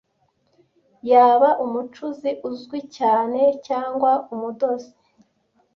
yaba umucuzi uzwi cyane cyangwa umudozi